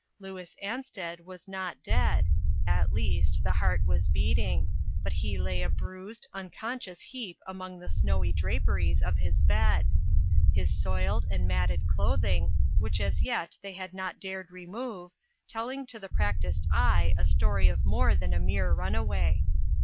Louis Ansted was not dead at least, the heart was beating ; but he lay a bruised, un conscious heap among the snowy draperies AN ESCAPED VICTIM. 395 of his bed his soiled and matted clothing, which as yet they had not dared remove, telling to the practiced eye a story of more than a mere runaway.